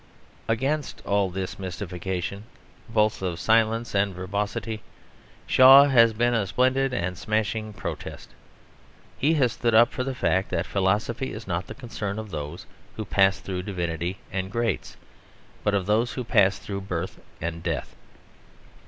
Against all this mystification both of silence and verbosity Shaw has been a splendid and smashing protest. He has stood up for the fact that philosophy is not the concern of those who pass through Divinity and Greats, but of those who pass through birth and death.